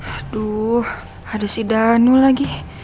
aduh ada si danu lagi